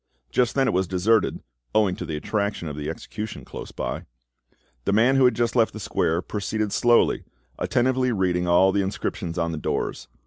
Just then it was deserted, owing to the attraction of the execution close by. The man who had just left the square proceeded slowly, attentively reading all the inscriptions on the doors.